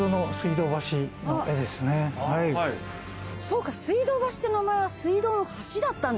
そうか水道橋っていう名前は水道の橋だったんだ。